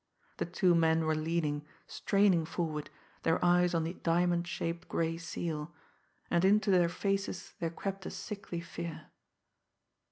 The two men were leaning, straining forward, their eyes on the diamond shaped gray seal and into their faces there crept a sickly fear.